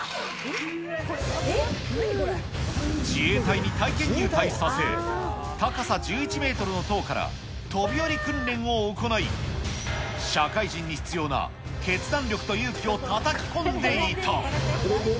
自衛隊に体験入隊させ、高さ１１メートルの塔から、飛び降り訓練を行い、社会人に必要な決断力と勇気をたたき込んでいた。